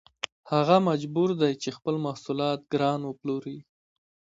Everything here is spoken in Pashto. هغه مجبور دی چې خپل محصولات ګران وپلوري